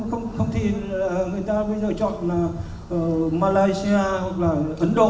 chứ không thì người ta bây giờ chọn malaysia hoặc là ấn độ